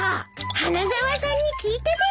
花沢さんに聞いたです。